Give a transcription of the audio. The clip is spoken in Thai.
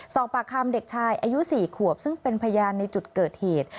สอบปากคำเด็กชายอายุ๔ขวบซึ่งเป็นพยานในจุดเกิดเหตุ